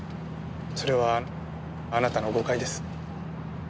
それはあなたの誤解です。